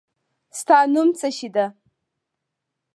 د تا نوم څه شی ده؟